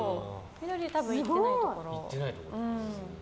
緑は多分行ってないところ。